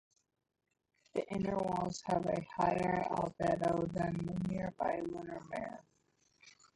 The inner walls have a higher albedo than the nearby lunar mare.